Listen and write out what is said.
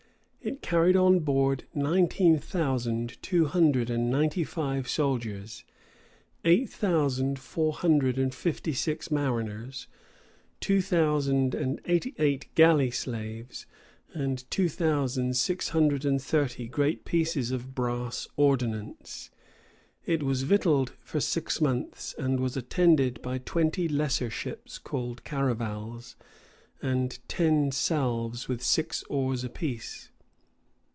It carried on board nineteen thousand two hundred and ninety five soldiers, eight thousand four hundred and fifty six mariners, two thousand and eighty eight galley slaves, and two thousand six hundred and thirty great pieces of brass ordnance. It was victualled for six months; and was attended by twenty lesser ships, called caravals, and ten salves with six oars apiece.